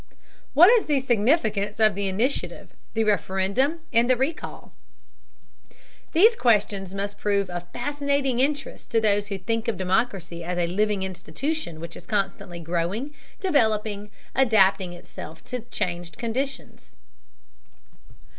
What is the significance of the Initiative, the Referendum, and the Recall? These questions must prove of fascinating interest to those who think of democracy as a living institution which is constantly growing, developing, adapting itself to changed conditions.